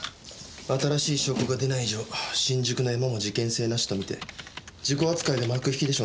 新しい証拠が出ない以上新宿のヤマも事件性なしと見て事故扱いで幕引きでしょうね。